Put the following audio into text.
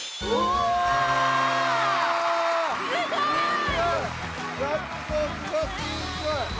すんごい！